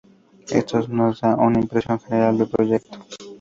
Esto nos da una impresión general del proyecto.